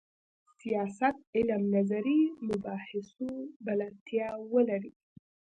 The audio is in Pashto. سیاست علم نظري مباحثو بلدتیا ولري.